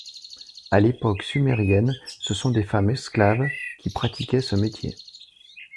À l'époque sumérienne, ce sont des femmes esclaves qui pratiquaient ce métier.